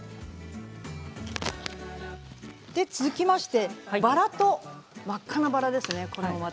続きまして真っ赤なバラですね。